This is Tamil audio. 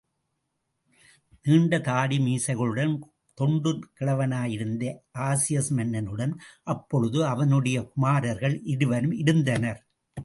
நீண்ட தாடி மீசைகளுடன், தொண்டு கிழவனாயிருந்த, ஆஜியஸ் மன்னனுடன் அப்பொழுது அவனுடைய குமாரர்கள் இருவரும் இருந்தனர்.